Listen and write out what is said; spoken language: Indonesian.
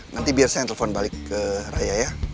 nanti biar saya yang telfon balik ke raya ya